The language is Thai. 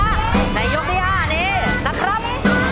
ทำไมชนะในยุคที่๕นี้นะครับ